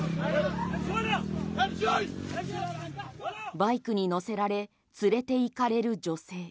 バイクに乗せられ連れて行かれる女性。